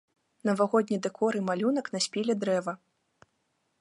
Навагодні дэкор і малюнак на спіле дрэва.